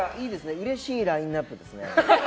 うれしいラインアップですね。